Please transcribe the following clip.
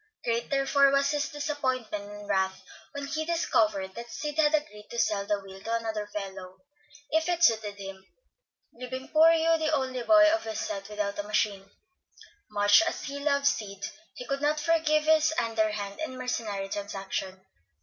Great, therefore, was his disappointment and wrath when he discovered that Sid had agreed to sell the wheel to another fellow, if it suited him, leaving poor Hugh the only boy of his set without a machine. Much as he loved Sid, he could not forgive this underhand and mercenary transaction.